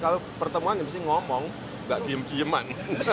kalau pertemuan yang mesti ngomong enggak diem dieman